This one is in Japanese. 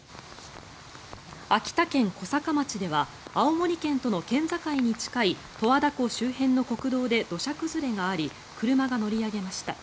秋田県小坂町では青森県との県境に近い十和田湖周辺の国道で土砂崩れがあり車が乗り上げました。